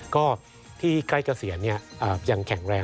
ก็ที่ใกล้เกษียณยังแข็งแรง